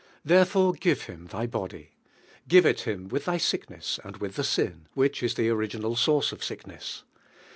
Therefore give Him thy body. Give it Him with thy siekness and with the sin, which is Hie original source of sickness.